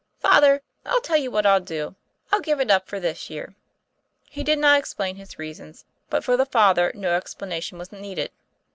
"Father, I'll tell you what I'll do. I'll give it up for this year." He did not explain his reasons, but for the Father no explanation was needed.